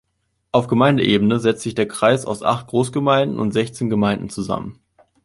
Auf Gemeindeebene setzt sich der Kreis aus acht Großgemeinden und sechzehn Gemeinden zusammen.